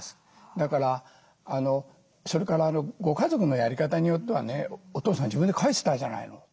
だからそれからご家族のやり方によってはね「お父さん自分で書いてたじゃないの。